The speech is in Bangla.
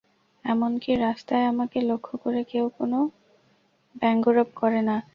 এমন কি রাস্তায় আমাকে লক্ষ্য করে কেউ কোন ব্যঙ্গরব করে না।